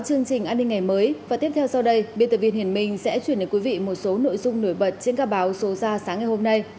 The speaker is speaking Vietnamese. chương trình an ninh ngày mới và tiếp theo sau đây biên tập viên hiển minh sẽ chuyển đến quý vị một số nội dung nổi bật trên các báo số ra sáng ngày hôm nay